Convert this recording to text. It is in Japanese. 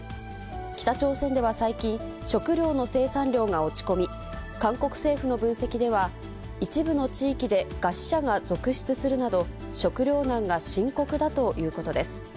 北朝鮮では最近、食糧の生産量が落ち込み、韓国政府の分析では、一部の地域で餓死者が続出するなど、食糧難が深刻だということです。